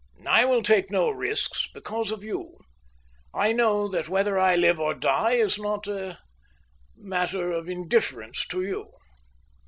"I will take no risks, because of you. I know that whether I live or die is not a—matter of indifference to you."